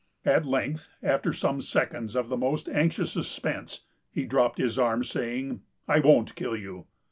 At length, after some seconds of the most anxious suspense, he dropped his arm, saying, 'I won't kill you!